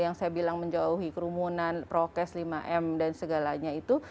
yang saya bilang menjauhi kerumunan prokes lima m dan segalanya itu